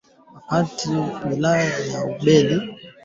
katika wilaya ya Lubero huko Kivu Kaskazini